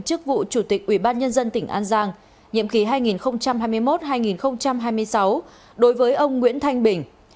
chức vụ chủ tịch ủy ban nhân dân tỉnh an giang nhiệm kỳ hai nghìn hai mươi một hai nghìn hai mươi sáu đối với ông nguyễn thanh bình